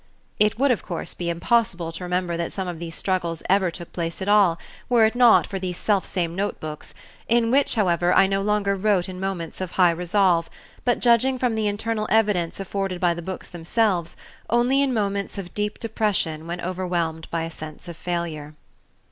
It would, of course, be impossible to remember that some of these struggles ever took place at all, were it not for these selfsame notebooks, in which, however, I no longer wrote in moments of high resolve, but judging from the internal evidence afforded by the books themselves, only in moments of deep depression when overwhelmed by a sense of failure.